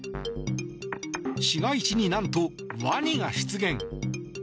市街地に何と、ワニが出現！